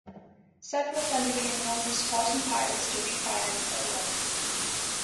Several of them became known for supporting pirates to refinance their wealth.